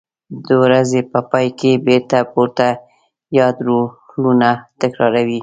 د ورځې په پای کې بېرته پورته یاد رولونه تکراروي.